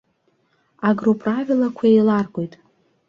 Агроправилақәа еиларгоит!